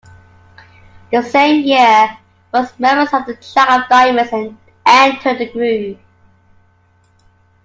The same year most members of the Jack of Diamonds entered the group.